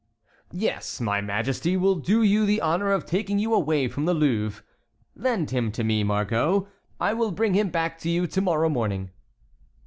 "Yes, my Majesty will do you the honor of taking you away from the Louvre. Lend him to me, Margot, I will bring him back to you to morrow morning."